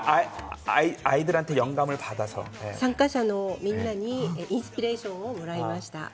参加者のみんなにインスピレーションをもらいました。